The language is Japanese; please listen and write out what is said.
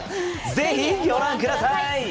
ぜひご覧ください！